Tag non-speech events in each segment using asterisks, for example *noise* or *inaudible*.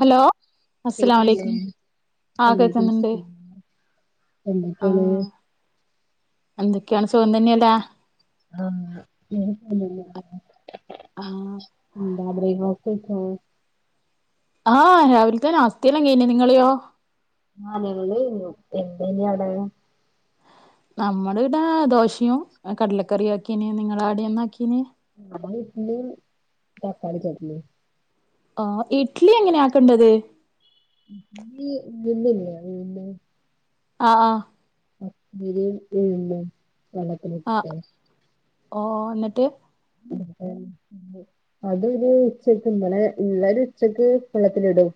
Hello അസ്സലാമു കേക്കുന്നില്ലേ അലൈകും ആഹ് വലൈക്കും കേക്കുന്നുണ്ട് മുസ്സലാം എന്തൊക്കെയാണ് ആഹ് എന്തൊക്കെയാണ് സുഖം തന്നെയല്ലേ ആഹ് *inaudible* ആഹ് ഉം ബാബ്രി *unintelligible* ആഹ് രാവില തന്നെ നാസ്ഥല്ലാം കഴിഞ് നിങ്ങളയൊ നാലേകലെയ്ഞ്ഞു എന്തെയ്നു അവടെ നമ്മടെ ഇവിടെ ദോശയും കടലക്കറിയും ആക്കീന് നിങ്ങളട എന്താ ആക്കീന് ഇവടെ ഇഡലിം തക്കാളി ചട്ട്നിം ആഹ് ഇഡ്ലി എങ്ങനെ ആക്കേണ്ടത് *inaudible* *inaudible* ഉഴുന്ന് ആഹ് ആഹ് അരിയും ഉഴുന്നും വെള്ള ആഹ് ഓ ന്നട്ട് *unintelligible* അതൊരു ഉച്ചക്ക് ഇന്നലെ ഇന്നലെ ഉച്ചക്ക് വെള്ളത്തിലിടും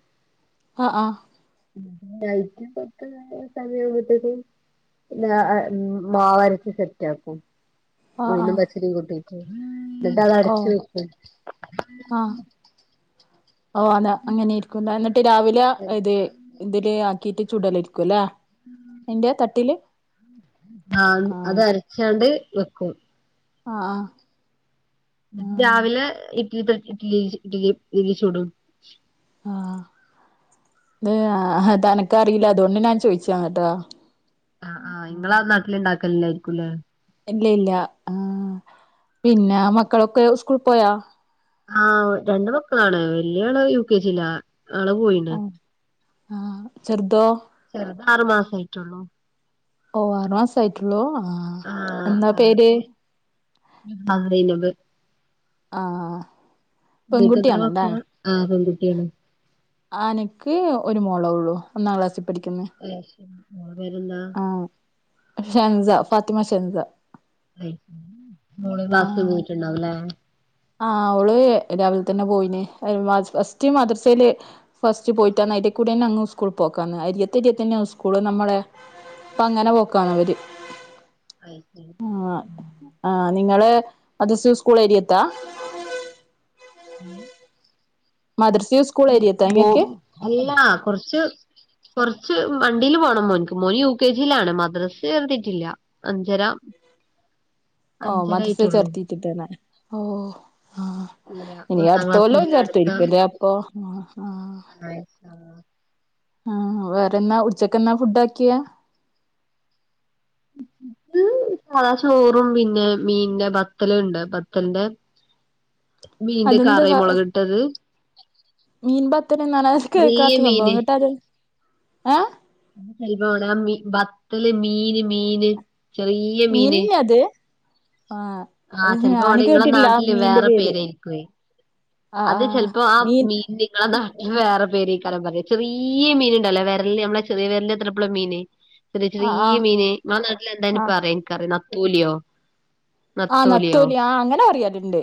അഹ് ആഹ് നൈറ്റ്‌ പത്ത് സമയാവുമ്പോത്തേക്കും പിന്നെ മാവരച്ച് സെറ്റ് ആക്കും ആഹ് ഉഴുന്നും ആഹ് പച്ചരിയും കൂട്ടിട്ട് ന്നട്ടത് അരച്ച് ഓഹ് വെക്കും ആഹ് ഓ അതാ അങ്ങനെയിരിക്കുംലെ എന്നിട്ട് രാവിലെ ഇത് വെക്കും ഇ ക്കെ ആക്കിട്ട് ചുടലരിക്കുലെ ആഹ് അത് അരച്ചാണ്ട് വെക്കും ആഹ് ന്നട്ട് ആഹ് രാവിലെ ഇഡലി തട്ടില് ഇഡലി ഇഡലി ഇഡലി ചൂടും അതു അനക്ക് അറിയില്ല അതുകൊണ്ട് ഞാൻ ചോയിച്ചാ കേട്ടോ ആഹ് ആഹ് ഇങ്ങളെ ആ നാട്ടില് ഇണ്ടാക്കലില്ലായിരിക്കുംല്ലേ ഇല്ല ഇല്ല ആ പിന്നെ മക്കളൊക്കെ സ്കൂൾ പോയാ ആഹ് രണ്ട് മക്കളാണ് വല്യ ആള് യു കെ ജി ലാ ആള് പോയി അഹ് ആഹ് ചെർതോ ചെറുതാറുമാസായിട്ടുള്ളൂ. ഓ ആറുമാസായിട്ടുള്ളൂ ആ എന്താ പേര്? ഇന്നവിടെയൊള്ളത് ആഹ് നിങ്ങക്കെത്ര പെൺകുട്ടിയാന്നല്ലേ മക്കളാ? ആ പെൺകുട്ടിയാണ്. ആ നക്ക് ഒരു മോളേ ഉള്ളൂ ഒന്നാം ക്ലാസ്സി പഠിക്കുന്ന ആ ശരി മോളെ പേരെന്ത ആ ഷെൻസ ഫാത്തിമ ഷെൻസ മോടെ ക്ലാസു പോയിട്ടുണ്ടാവും അല്ലേ. ആ അവള് രാവിലെ തന്നെ പോയിന് ഫസ്റ്റ് മദ്രസയിൽ ഫസ്റ്റ് പോയിട്ടാണ് അതിലെ കൂടെ തന്നെ അങ്ങ് സ്കൂൾ പോക്കാണ് അരിയത്തരിയത്തന്നെയിസ്കൂള്, നമ്മടെ ഇപ്പങ്ങനെ പോക്കാണ് അവര് അയ് ശരി ആഹ് ആഹ് നിങ്ങള് മദ്രസ സ്കൂൾ എരിയത്താ *inaudible* മദ്രസി സ് അല്ലാ കൊറച്ച് കൊറച്ച് വണ്ടിൽ പോണം മോൻക്ക്, മോൻ യു കെ ജിയിലാണ് മദ്രസെ ചേർത്തിട്ടില്ല. അഞ്ചര ആ അഞ്ചര മദ്രസ്സേ ആയിട്ടുള്ളൂ ചേർതിയിട്ടിട്ടോനെ, ഓ ആ. ഇല്ല ഇനി ഒന്നാം അടുത്ത ക്ലാസ് കൊല്ലോ മുതൽ അടുത്ത ചേർത്തിരിക്കുവല്ലേ അപ്പൊ ആ നൈസ് ആ ആ വേറെന്നാ ഉച്ചക്ക് എന്നാ ഫുഡ് ആക്കിയെ ഇംആ ചോറും പിന്നെ മീനിന്റെ ബത്തലുണ്ട് ബത്തലിന്റെ. മീൻന്റെ കറി അതെന്താ മുളകിട്ടത് മീൻ ബത്തല് എന്നാ അഹ് ചെറിയ കേൾക്കാത്ത സംഭവം മീന് ഇങ്ങടത് ഏ അയമോദ മീൻ ബത്തല് മീന് മീന് *unintelligible* മീന്യാത് ആഹ് ആ അത് ചെലപ്പോ ഞാന് അവിടെ ഇങ്ങളെ കേട്ടിട്ടില്ല ആ നാട്ടില് മീന്റെ വേറെ പേര് പേരായിരിക്കുവേ. ആഹ് അത് ആഹ് ചെലപ്പോ ആ മീൻ മീന്റെ അതാ വേറെ പേരെ കാരം പറയാ ചെറിയ മീൻ ഇണ്ടല്ലേ വരല് നമ്മളെ ചെറിയ വിരലിന്റെ അത്രെക്കൊള്ള മീന്. ചെറിയ ആഹ് ചെറിയ ആഹ് മീന് ങ്ങളെ നാട്ടില് എന്തായിന് ആഹ് പറയാ ഇനിക്കറില്ല നത്തോലിയോ ആഹ് നത്തോലിയോ? നത്തോലി ആഹ് അങ്ങനെ പറയാല്ണ്ട്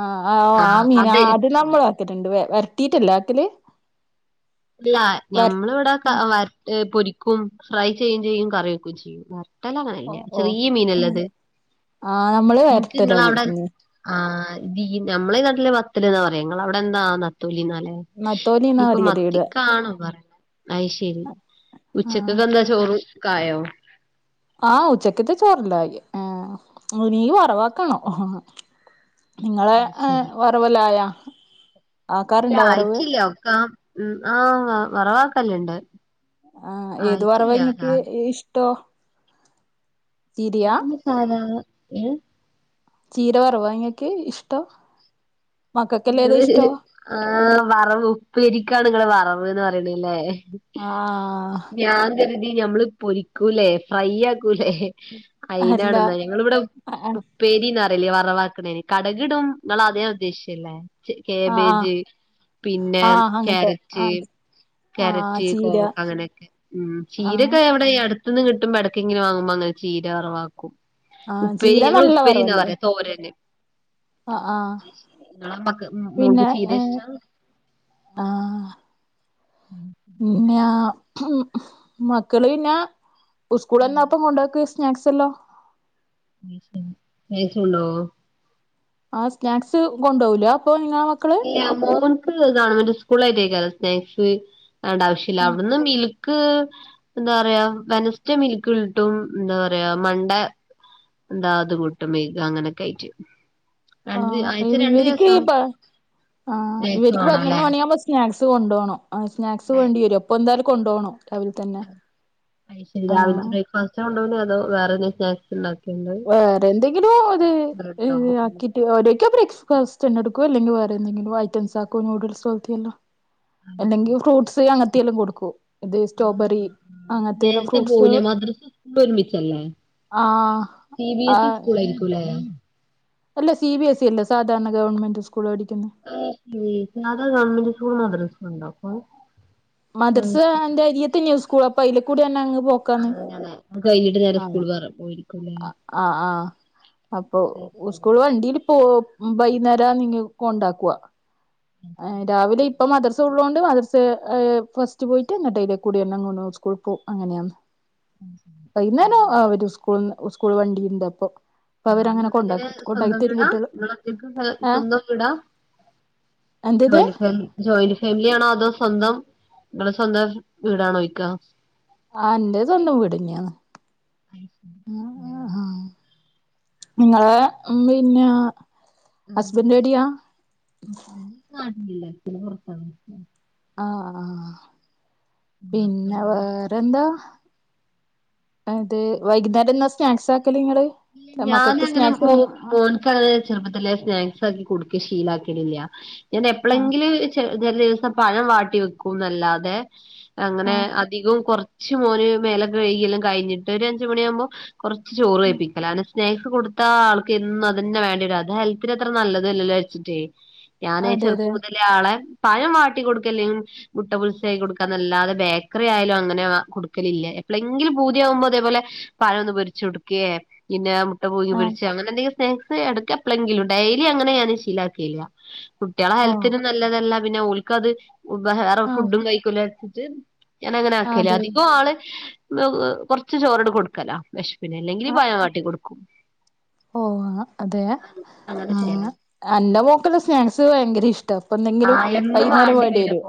ആഹ് ആഹ് ആഹ് മീനാത് നമ്മള് കേട്ടിട്ടുണ്ട്, വരത്തീട്ടല്ലാക്കല്? ഇല്ല ഞമ്മൾ ഇവിടെ വ വറത്തു പൊരിക്കും ഫ്രൈ ചെയ്യുവേം ചെയ്യും കറിവെക്കുവേം ചെയ്യും. എല്ലാ അങ്ങനെല്ല ഓഹ് ഓഹ് ചെറിയ ഉം മീനല്ലേത് ആഹ് നമ്മള് ഇൻക്ക് വരട്ടലാ നിങ്ങളവിടെ ഉം ആ ഇത് ഈ നമ്മളെ നാട്ടില് വത്തല്ന്നാ പറയാ നിങ്ങളവിടെ എന്താ നത്തോലിന്നാലെ? നെത്തോലിന്ന പറയിവിടേം. തി കാണോ പറയ, അയ് ശരി ആഹ് ഉച്ചക്ക്ക എന്താ ചോറൊക്കായോ ആ ഉച്ചക്കത്തെ ചോറെല്ലായി നീ വറവാക്കാണോ? നിങ്ങളെ അയ് ഏ ശരി വറവലായോ? ഇല്ല ആയിട്ടില്ല ഒക്ക ആ വറവാക്കലുണ്ട് ആ ഏത് വറവ ഇങ്ങക്ക് ഇഷ്ടോ തിരിയാ? ഞ സാധാ ചീര വറവാ ഇങ്ങക്ക് ഇഷ്ടം മക്കൾക്കെല്ലാം ഏതാ നിങ്ങള് ഇഷ്ടം ആഹ് വറവ്, ഉപ്പേരിക്കാണ് നിങ്ങള് വറവെന്ന് പറയണല്ലേ? ആ ഞാൻ കരുതി ഞമ്മള് പൊരിക്കൂലേ ഫ്രൈ ആക്കൂലേ? അല്ല അയിനാണെന്നാ ഞങ്ങള് വിട ആ ഉപ്പേരിന്നാറയല്ലേ വറവാക്കണേന്, കടുകിടും നിങ്ങൾ അതന്ന ഉദ്ദേശിച്ചല്ലേ? ഇച്ചിരി ആ കേബേജ് പിന്നെ ആ അങ്ങനത്തെ ആ കാരറ്റ് ആ കാരറ്റ് ചീര കോവക്ക അങ്ങനെയൊക്കെ ഉ ആ ചീരൊക്കെ എവിടെ അടു അടുത്തു ന്ന് കിട്ടുമ്പൊടക്കിട ക്കി ങ്ങനെ വാങ്ങുമ്പോ അങ്ങനെ ചീര വറവാക്കും ആ ഉപ്പേരി ചീര ഞങ്ങൾ നല്ല ഉപ്പേരി ന്നാ വറവല്ലേ പറയാ തോരനെ ആ ആ നമ്മക്ക് മോൾക്ക് പിന്നെ ചീര ഏ ഇഷ്ട ആ *inaudible* പിന്ന മക്കള് പിന്നെ സ്കൂള തന്നപ്പം കൊണ്ടോയ്ക്ക് സ്നാക്ക്സ് എല്ലാം ടേസ്റ്റ് ഉണ്ടോ ആ സ്നാക്സ് കൊണ്ടോവൂല അപ്പൊ ഇഎ ങ്ങ മക്കള് നിങ്ങൾക്ക് ഗവൺമെന്റ് സ്കൂള ആയിട്ടേക്ക സ്നാക്സ് അങേൻറെ ആവശ്യമില്ല അവിടന്ന് മീൽ ക്ക് എന്താ പറയാ വെനസ്ടെ മിൽക്കിട്ടും എന്താ പറയാ മണ്ടെ എന്താ അതും മുട്ട് മെയഗ അങ്ങനെ ആയിട്ട്ട് ആ ഇത് ഇവര്ക്ക്പ്പ ആ സ്നാക്സ് ഇവർക്കു വേണം പതിനന്നന്ന് അല്ലേ മണി സ്നാക്സ് കൊണ്ടോണം സ്നാക്സ് വേണ്ടി വരും അപ്പോ എന്തായാലും കൊണ്ടോണം രാവിലെ തന്നെ ശരി രാവിലത്തെ ആഹ് ബ്രേക്ക്ഫാസ്റ്റ് കൊണ്ടോണോ അതോ വേറെ എന്തേലും സ്നാക്സ് ഉണ്ടാക്കി വേറെ എന്തെങ്കിലും അത് ബ്രെഡോ ഇത് ആക്കി ആഹ് ഓ രൊക്കെ ബ്രേക്ഫാസ്റ്റ് എടുക്കോ അല്ലെങ്കിൽ വേറെ എന്തെങ്കില ഐറ്റംസ് ആക്കോ നൂഡിൽസു പോലത്തി വല്ലോ അല്ലെങ്കി ഫ്രൂട്ട്സ് അങ്ങനത്തെെല്ലാം കൊടുക്കൂ ഇത് സ്ട്രോബെറി ആഹ് ആഹ് അങ്ങനത്തെുള്ള നേരത്തെ ഫ്രൂട്ട്സ് പോവൂലേ മദ്രസ സ്കൂളും ഒരുമിച്ചല്ലേ ആഹ് സി ബി എസ് ഇ ആഹ് സ്കൂളാ യിരിക്കൂ ല്ലേ അല്ല സി ബി എസ് ഇല്ല സാധാരണ ഗവൺമെന്റ് സ്കൂള് പഠിക്കുന്നു അ സ ഗവമെന്റ് സ്കൂൾ മദ്രസ ഇണ്ടോ മദർസ ക്യന്നിട്ട് ആണ് സ്കൂൾ അരിയ തന്നെയോ സ്കൂൾ അപ്പൊ അതില കൂടെ തന്നെ അങ്ങ് പോ അങ്ങ്നെ കഴിഞ്ഞിട്ട് നേരെ സ്കൂൾ പൊയ്‌പോരും ആഹ് ആഹ് അപ്പൊ അയ് ശരി സ്കൂൾ വണ്ടി പോവും വയ്യുന്നേര ഇങ്ങ് കൊണ്ടാക്കുവ രാവിലെ ഇപ്പ മദ്റസ ഉള്ളോണ്ട് മദ്രസെ ഫസ്റ്റ് പോയിട്ട്ങ്ങട്ട അലേ കൂടിസ് പോവും കുഴപ്പൊ അങ്ങനെയാ *inaudible* സ്കൂൾ സ്കൂൾ വണ്ടിണ്ടപ്പൊ ആ നിങ്ങളെങ്ങനെയാ സ്വന്തം വിടാ കുട്ടികള് നിങ്ങള ആഹ് സ്വന്തം വീടാ എന്റത് ജോയിന്റ് ഫാമിലിയാണോ അതോ സ്വന്തം ങ്ങളെ സ്വന്തം വീടാണോ ആ് എന്റെ സ്വന്തം വീടുതന്ന്യാന്ന് അയ് ശരി ആ നിങ്ങളെ പിന്നെ ഹസ്ബന്റെ ടിയാ കാണില്ല പോരാത്തതിന് ആ ആ പിന്നെ നാട്ടില് വേറെ ന്താ അതെ വൈകുന്നേരം എന്താ സ്നാക്സ് ആക്കൽ ങ്ള് ഞാൻ അങ്ങ്നെ മോൾക്ക് മോൻക്ക്ങ്ങനെ ചെറുപ്പത്തില് സ്നാക്സ് ആക്കി കൊടുക്ക ഷീല ആക്കിയിട്ടില്ല ഞാൻ ആഹ് എപ്പളെങ്കിലും ചെല ദിവസം പഴം വാട്ടി വെക്കും എന്നല്ലാതെ അങ്ങനെ ആഹ് അധികം കുറച്ച് മോന് മേലൊക്കെ കൈകില്ലാം കഴിഞ്ഞിട്ട് ഒരു അജ്ജ് മണിയാവുമ്പോൾ കൊറച്ച് ചോറ് ആഹ് കഴിപ്പിക്കും സ്നാക്സ് കൊടുത്ത ആൾക്കെ ന്നും അതന്നെ വേണ്ടി വരും അത് ഹെൽത്തിന് അത്ര നല്ലതല്ലല്ലോച്ചി ട്ടെ ഞാന് അതെ അതെ ചെറുപ്പം മുതലേ ആളെ പഴം വാട്ടിൊടുക്കല്ലെങ്കും മുട്ട പുൾസ ആക്കി കൊടുക്കാൻ അല്ലാതെ ബേക്കറി ആയാലും അങ്ങനെ കൊടുക്കലില്ല എപ്പളെങ്കിലും പൂതിയാവുമ്പോ ഇങനെ പഴം ഒന്ന് പിരിച്ചോടുക്കേ പിന്നെ മുട്ട പുഴുഗി ആഹ് വരിച്ച് അങ്ങനെ എന്തെങ്കിലും സ്നക്സ് എടക്ക് എപ്പളെങ്കിലും ഡയലി അങ്ങനെ ഞാൻ ശീല ആക്കല്ല കുട്ടികളെ ഓഹ് ഹെൽത്തിനന് നല്ലതല്ല പിന്നെ ഓല് ക്കത് വേറെ ആഹ് ഫുഡും കഴിക്കല്ല രുതീട്ട് ഞാൻ അങ്ങനെ ആക്കല്ലേ അതെ അധികം ആള് കൊറച്ച് ചോറാണ്ട് കൊടുക്കല വെഷപ്പിന് അല്ലെങ്കിൽ പഴ ക്കും ഓ അതെ അങ്ങനെ ആ ചെയ്യലാ അന്റെ മോക്ക് സ്നാക്സ് ഭയങ്കര ഇഷ് ടഫെ എന്തെങ്കിലും ആഹ് എന്നും വൈകുന്നേരം വേണ്ടി വരൊ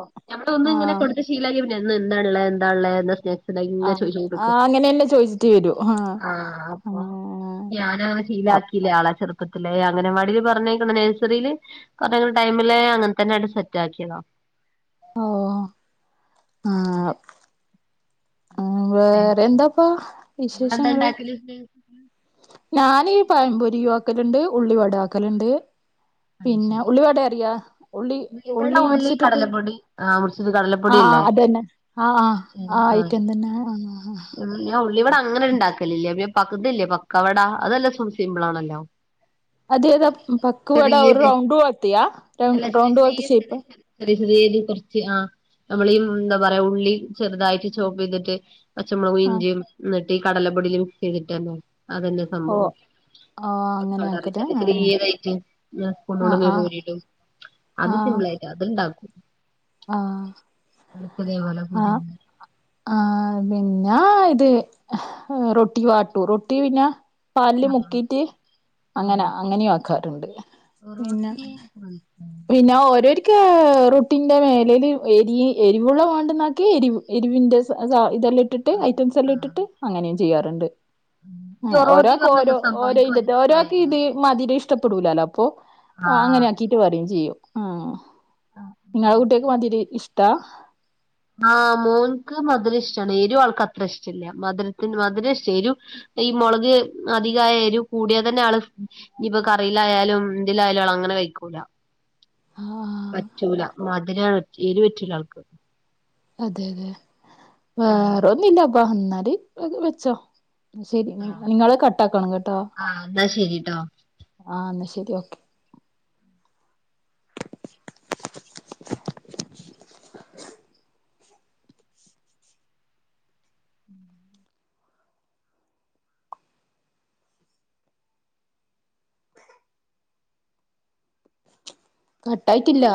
ആ ത്ത്ശീലക്കിയാലാ പിന്നെ ഇന്നെ ന്താള്ള എന്തള്ള *unintelligible* തന്നെ ആഹ് ചൊദിച്ചൊണ്ട്ക്കും ആഹ് അങ്ങനെന്നെ ചോയിച്ചിട്ട് വരും ആഹ് ആ അപ്പൊ ആഹ് ഞാനന അപ് ശീലാക്കി ആളെ ചെറുപ്പത്തിലേ അങ്ങനെവടിൽ പറഞ്ഞ നഴ്സറിയില് *unintelligible* ടൈമിലേ അങ്ങനെ പനട് സെറ്റക്കിണോ ഓ ആ അങ്ങനെ വേറെ എന്താപ്പാ നിങ്ങളെന്താ വിശേഷങ്ങള് ഉണ്ടാക്കല് ഞാന് പയപൊരിയു ആക്കലുണ്ട് ഉള്ളി വാടാക്കലുണ്ട് അത് പിന്നെ ശരി ഉള്ളി വാടെ അറിയാ ഉള്ളി ഇവിടെ ഉള്ളി മുറിച്ചിട്ട്ട്ട് കടലപ്പൊടി ആ *unintelligible* ആഹ് അതന്നെ ആഹ് ആഹ് ആ ആയിറ്റന്തന്നെ ഞ ഉള്ളിവ ടഅങ്ങനെ ഉണ്ടാക്കല് ല്ലഅ പകതല്ലേ പക്കവട അതെല്ലാം സിംമ്പിൾ ആണല്ലോ അതെതാ പക്കുവട ഒരു ചെറിയത് റൗണ്ട് പോലത്തിയാ റൗണ്ട് പോലത്തെ ഷേപ്പ് ീൽ കൊറച്ച് ആ നമ്മളീ എന്താ പറയാ ഉള്ളി ചെറുതായിട്ട് ചോപ്പെയ്തിട്ട് പച്ചമൊളകും ആഹ് ഇഞ്ചിയും ഞ്ഞട്ട് ഈ കടലപ്പൊടിൽ മിക്സ് ചെയ്തിട്ട് തന്നെ അതന്നെ സംഭവം ഓഹ് ആഹ് അങ്ങനെ പക്കടറി ആക്കല് ആഹ് ചെറീതായിട്ട് ആഹ് ഞാൻ്പോണൊണ്ട് ആഹ് ബൂരിടു അത് സിമ്പിൾ ആയിട്ട് അത് ഇണ്ടാക്കും ആ ആ പൂതിണ്ട് ആഹ് പിന്നാ ഇത് റൊട്ടി പാട്ടു റൊട്ടി പിന്നെ പാല്ല് ആ മുക്കീട്ട് ആ അങ്ങനാ അങ്ങനെയും ആക്കാറുണ്ട് പിന്നെ ഉം പിന്നെ ഓരോര്ക്ക് റൊട്ടി്ന്റെ മേലൽ എരി എരിവുള്ള വേണ്ടെന്നക്കിയ എരിവ് എരിവിന്റെ സ ഇതെല്ലാം ഇട്ടിട്ട് ആ ഐറ്റംസ് ആ എല്ലാം ഇട്ടിട്ട് അങ്ങനെയും ചെയ്യാറ്ണ്ട് ഈ ഉം ഒറോട്ടി ഒരാൾക്ക് പറഞ്ഞെന്താ ഓരോ സംഭവം ഓരോ ഇ എനിക്ക് ഒരാൾക്ക് മനസ്സിലായില്ല ഇത് മതിരം ഇഷ്ടപ്പെടൂലല്ലോ അപ്പൊ ആ അങ്ങനെ ആക്കീട്ട് പറയും ചെയ്യും ഉം ആ നിങ്ങളെ കുട്ടൾക്ക് മധുരി ഇഷ്ടാ *inaudible* ആഹ് മോൻക്ക് മധുര ഇഷ്ടാണ് എരു ആൾക്ക് അത്ര ഇഷ്ടല്ല മധുരത്തിന് മധുര ഇഷ് ടഎരു ഈ മൊളക് അധികയ എരു കൂടിയാൽ തന്നെ ആള് ഇനിയിപ്പ കറിയിലായാലും ഇതിലായാലും അങ്ങനെ വെക്കൂല ആആ് പറ്റൂല മധുര എരു പറ്റൂല ആൾക്ക് അതെ അതെ ആ വേറെ ഒന്നില്ലപ്പാ ഇന്നാല് വെച്ചോ ശരി ആ നിങ്ങളെ കട്ട ആക്കണം കേട്ടോ ആ എന്നാ ശരിട്ടോ ആ എന്നാ ശരി ഓക്കെ ഉം കട്ടായിറ്റ്ല്ല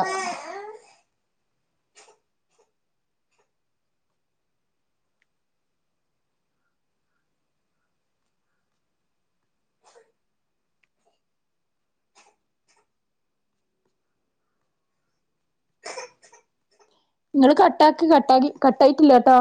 ഇങ്ങള് കട്ടാക്ക് കട്ടാക്കി കട്ട യിയിട്ടില്ല ട്ടോ